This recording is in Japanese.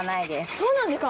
そうなんですか？